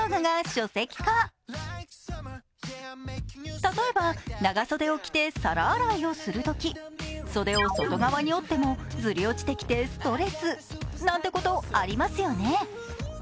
例えば長袖を着て皿洗いをするとき、袖を外側に折っても、ずり落ちてきてストレスなんてことありますよね。